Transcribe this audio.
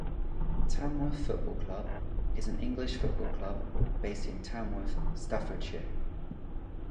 Tamworth Football Club is an English football club based in Tamworth, Staffordshire.